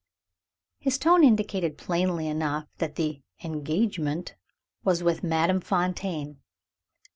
His tone indicated plainly enough that the "engagement" was with Madame Fontaine.